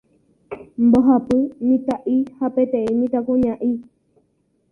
Mbohapy mitã'i ha peteĩ mitãkuña'i.